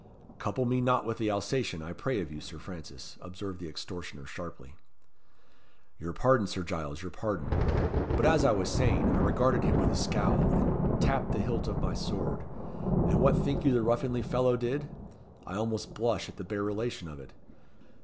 "Couple me not with the Alsatian, I pray of you, Sir Francis," observed the extortioner, sharply. "Your pardon, Sir Giles your pardon! But as I was saying, I regarded him with a scowl, and tapped the hilt of my sword. And what think you the ruffianly fellow did? I almost blush at the bare relation of it.